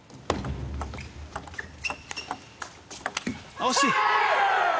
惜しい！